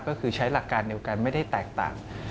ก็คือใช้หลักการเดียวกันไม่ได้แตกต่าง